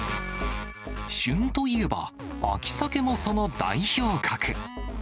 旬といえば、秋サケもその代表格。